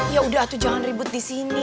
ya udah tuh jangan ribut di sini